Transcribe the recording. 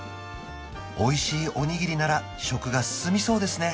おいしいおにぎりなら食が進みそうですね